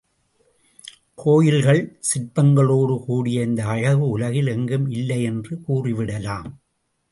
கோயில்கள் சிற்பங்களோடு கூடிய இந்த அழகு உலகில் எங்கும் இல்லை என்று கூறிவிடலாம்.